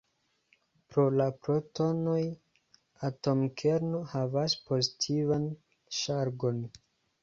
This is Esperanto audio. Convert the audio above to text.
Pro la protonoj, atomkerno havas pozitivan ŝargon.